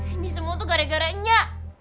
ini semua tuh gara gara enggak